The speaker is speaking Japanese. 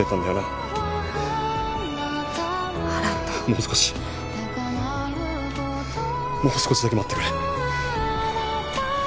もう少しもう少しだけ待ってくれ。